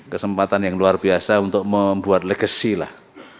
kesempatan yang luar biasa untuk membuat legacy lah